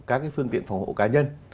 các cái phương tiện phòng hộ cá nhân